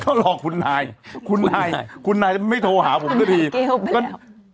ก็หลอกคุณนายคุณนายไม่โทรหาผมก็ดี